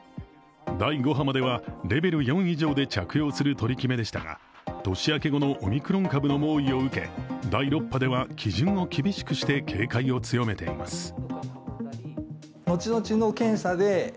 第５波まではレベル４以上で着用する取り決めでしたが年明け後のオミクロン株の猛威を受け、第６波では基準を厳しくして警戒を強めています。